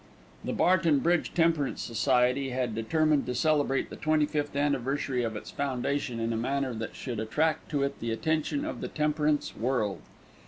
The Barton Bridge Temperance Society had determined to celebrate the twenty fifth anniversary of its foundation in a manner that should attract to it the attention of the temperance world.